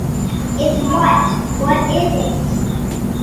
It’s what? What is it?